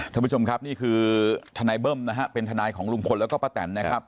ท่านผู้ชมครับนี่คือทนายเบิ้มนะฮะเป็นทนายของลุงพลแล้วก็ป้าแตนนะครับ